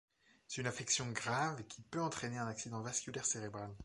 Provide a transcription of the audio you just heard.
C'est une affection grave qui peut entraîner un accident vasculaire cérébral.